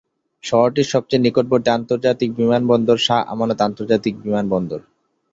শহরটির সবচেয়ে নিকটবর্তী আন্তর্জাতিক বিমানবন্দর শাহ আমানত আন্তর্জাতিক বিমানবন্দর।